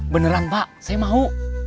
beneran pak saya mau